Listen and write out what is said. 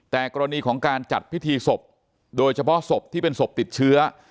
แต่กรณีของการจัดพิธีศพโดยเฉพาะศพที่เป็นศพติดเชื้อ